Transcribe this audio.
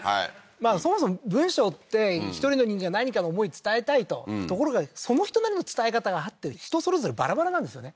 まあそもそも文章って１人の人間が何かの思い伝えたいとところがその人なりの伝え方があって人それぞれバラバラなんですよね